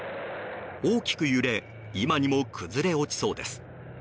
大きく揺れ今にも崩れ落ちそうです。